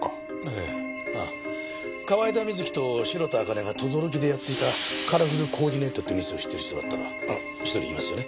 あっ河井田瑞希と白田朱音が等々力でやっていたカラフルコーディネートって店を知ってる人だったら１人いますよね？